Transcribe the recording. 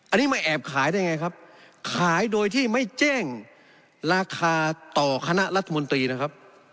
อันนี้มาแอบขายได้ไงครับขายโดยที่ไม่แจ้งราคาต่อคณะรัฐมนตรีนะครับ